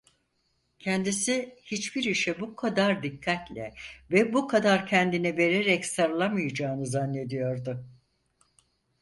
Kendisi hiçbir işe bu kadar dikkatle ve bu kadar kendini vererek sarılamayacağını zannediyordu.